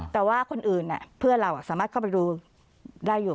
แต่ว่าคนอื่นเพื่อนเราสามารถเข้าไปดูได้อยู่